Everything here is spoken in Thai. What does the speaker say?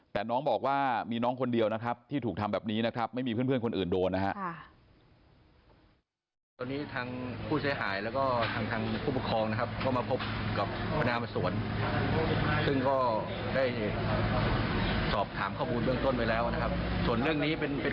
แต่น้องบอกว่ามีน้องคนเดียวที่ถูกทำแบบนี้ไม่มีเพื่อนคนอื่นโดน